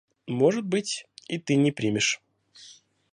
Может быть, и ты не примешь.